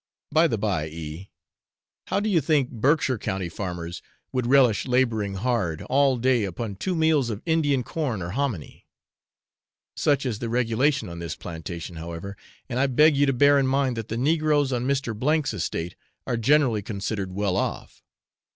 By the by, E , how do you think Berkshire county farmers would relish labouring hard all day upon two meals of Indian corn or hominy? Such is the regulation on this plantation, however, and I beg you to bear in mind that the negroes on Mr. 's estate, are generally considered well off.